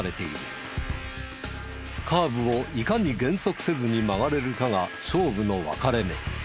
カーブをいかに減速せずに曲がれるかが勝負の分かれ目。